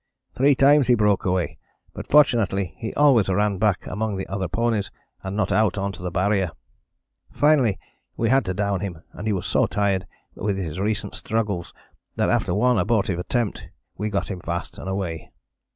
Three times he broke away, but fortunately he always ran back among the other ponies, and not out on to the Barrier. Finally we had to down him, and he was so tired with his recent struggles that after one abortive attempt we got him fast and away."